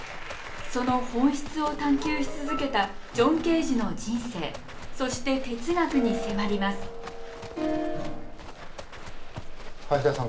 その本質を探究し続けたジョン・ケージの人生そして哲学に迫ります林田さん